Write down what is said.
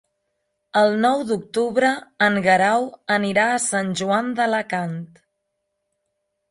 El nou d'octubre en Guerau anirà a Sant Joan d'Alacant.